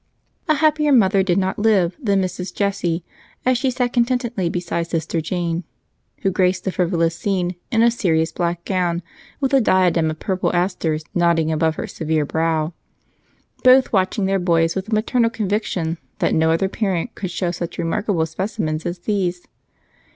A happier mother did not live than Mrs. Jessie as she sat contentedly beside Sister Jane (who graced the frivolous scene in a serious black gown with a diadem of purple asters nodding above her severe brow), both watching their boys with the maternal conviction that no other parent could show such remarkable specimens as these.